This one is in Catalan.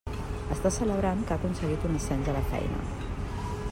Està celebrant que ha aconseguit un ascens a la feina.